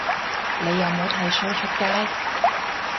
你有冇剃鬚出街